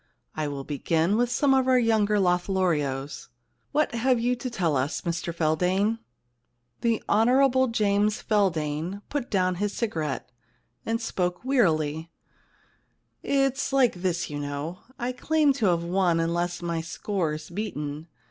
I will begin with some of our younger Lotharios. What have you to tell us, Mr Feldane ?' The Hon. James Feldane put down his cigarette, and spoke wearily :* It's like this, you know. I claim to have won unless my score's beaten.